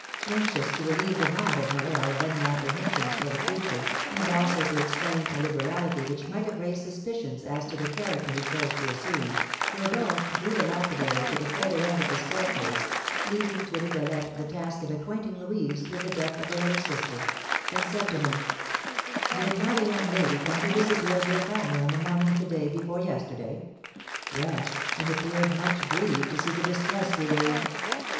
Anxious to relieve the mind of Morel of any apprehensions for the future, and also to explain a liberality which might have raised suspicions as to the character he chose to assume, Rodolph drew the lapidary to the further end of the staircase, leaving to Rigolette the task of acquainting Louise with the death of her little sister, and said to him: "Did not a young lady come to visit you and your family on the morning of the day before yesterday?" "Yes, and appeared much grieved to see the distress we were in."